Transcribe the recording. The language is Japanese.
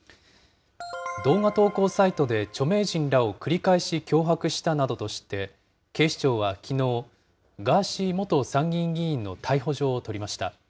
動画投稿サイトで著名人らを繰り返し脅迫したなどとして、警視庁はきのう、ガーシー元参議院議員の逮捕状を取りました。